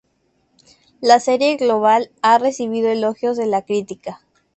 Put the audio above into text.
La serie global ha recibido elogios de la crítica.